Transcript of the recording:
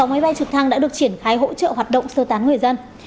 sáu máy bay trực thăng đã được triển khai hỗ trợ hoạt động sơ tán người dân